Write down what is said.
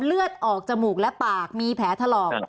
เลือดออกจมูกและปากมีแผลถลอก